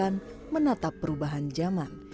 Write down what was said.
akan menatap perubahan zaman